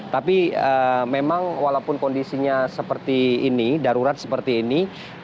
tapi memang walaupun kondisinya seperti ini darurat seperti ini